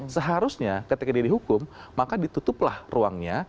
seharusnya ketika dia dihukum maka ditutuplah ruangnya